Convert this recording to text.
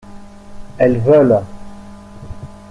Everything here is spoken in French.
Elles veulent.